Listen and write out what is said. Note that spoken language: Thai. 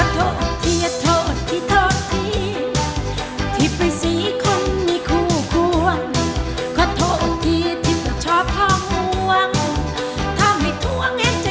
โทษทีโทษทีที่ไปซื้อคนมีคู่คู่